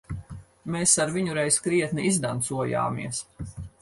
Mēs ar viņu reiz krietni izdancojāmies.